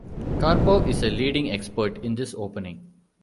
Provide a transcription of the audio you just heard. Karpov is a leading expert in this opening.